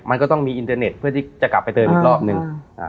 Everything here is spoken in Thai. มันก็ต้องมีอินเทอร์เน็ตเพื่อที่จะกลับไปเติมอีกรอบหนึ่งอ่า